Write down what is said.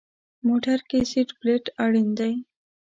موټر کې سیټ بیلټ اړین دی.